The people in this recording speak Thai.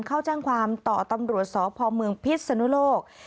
เข้าจ้างความต่อตำรวจสพพิทธิ์ศนลก